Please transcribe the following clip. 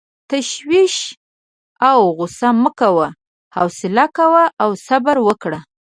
تشویش او غصه مه کوه، حوصله کوه او صبر وکړه.